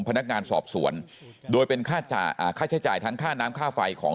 พนักงานสอบสวนโดยเป็นค่าจ่าอ่าค่าใช้จ่ายทั้งค่าน้ำค่าไฟของ